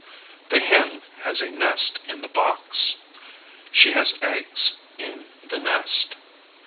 The hen has a nest in the box. She has eggs in the nest.